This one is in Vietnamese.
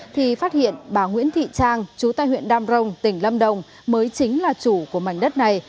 thì phát hiện bà nguyễn thị trang chú tại huyện đam rồng tỉnh lâm đồng mới chính là chủ của mảnh đất này